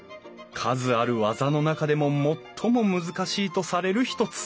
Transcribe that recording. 数ある技の中でも最も難しいとされる一つ。